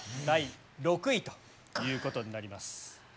第６位ということになります。